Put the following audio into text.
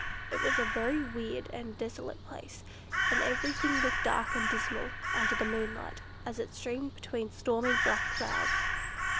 It was a very weird and desolate place; and everything looked dark and dismal, under the moonlight, as it streamed between stormy black clouds.